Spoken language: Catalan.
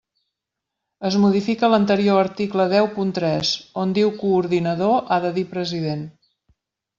Es modifica l'anterior article deu punt tres: on diu coordinador ha de dir president.